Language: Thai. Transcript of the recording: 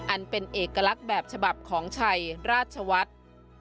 อันเป็นเอกลักษณ์แบบฉบับของชัยราชวัฒน์